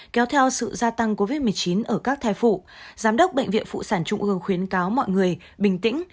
kéo theo sự gia tăng covid một mươi chín ở các thai phụ giám đốc bệnh viện phụ sản trung ương khuyến cáo mọi người bình tĩnh